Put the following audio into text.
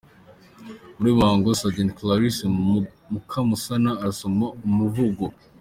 Muri uyu muhango, Sgt Clarisse Mukamusana arasoma umuvugo.